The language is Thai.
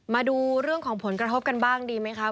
มาดูเรื่องของผลกระทบกันบ้างดีไหมคะ